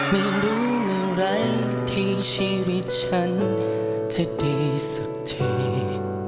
ไม่รู้เมื่อไหร่ไม่รู้เมื่อไหร่ที่ชีวิตฉันจะดีสักที